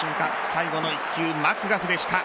最後の１球、マクガフでした。